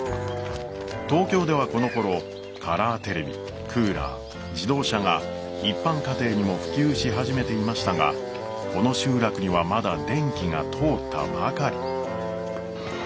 東京ではこのころカラーテレビクーラー自動車が一般家庭にも普及し始めていましたがこの集落にはまだ電気が通ったばかり。